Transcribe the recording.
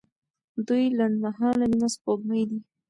دوی لنډمهاله نیمه سپوږمۍ دي.